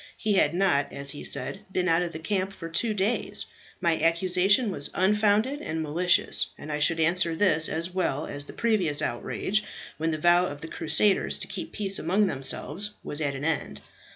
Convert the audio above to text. He had not, as he said, been out of the camp for two days. My accusation was unfounded and malicious, and I should answer this as well as the previous outrage, when the vow of the Crusaders to keep peace among themselves was at an end.